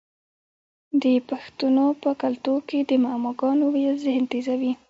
د پښتنو په کلتور کې د معما ګانو ویل ذهن تیزوي.